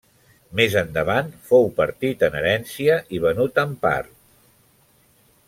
Més endavant fou partit en herència i venut en part.